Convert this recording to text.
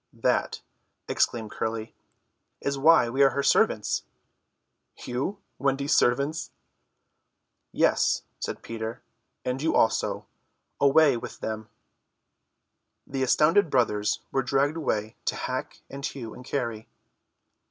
"That," explained Curly, "is why we are her servants." "You? Wendy's servants!" "Yes," said Peter, "and you also. Away with them." The astounded brothers were dragged away to hack and hew and carry.